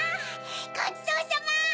ごちそうさま！